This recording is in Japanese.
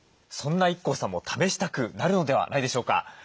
そんなＩＫＫＯさんも試したくなるのではないでしょうか。